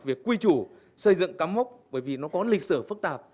việc quy chủ xây dựng cắm mốc bởi vì nó có lịch sử phức tạp